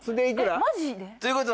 マジで？